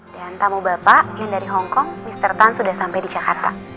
dan tamu bapak yang dari hongkong mr tan sudah sampai di jakarta